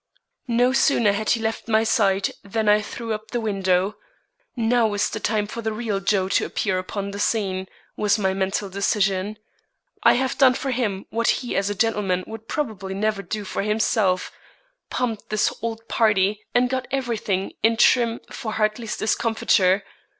No sooner had he left my side than I threw up the window. "Now is the time for the real Joe to appear upon the scene," was my mental decision. "I have done for him what he as a gentleman would probably never do for himself pumped this old party and got every thing in trim for Hartley's discomfiture.